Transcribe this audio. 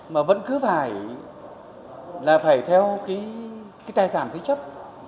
mà vẫn cứ phải là phải theo cái tài sản thế chấp